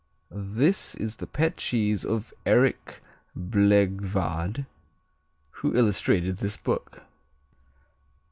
This is the pet cheese of Erik Blegvad who illustrated this book.